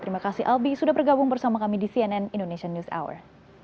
terima kasih albi sudah bergabung bersama kami di cnn indonesian news hour